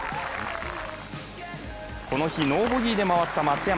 この日、ノーボギーで回った松山。